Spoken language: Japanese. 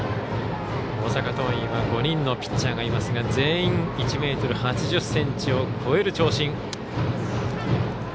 大阪桐蔭は５人のピッチャーがいますが全員１ｍ８０ｃｍを超える長身。